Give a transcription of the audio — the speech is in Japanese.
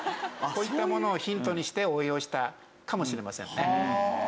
こういったものをヒントにして応用したかもしれませんね。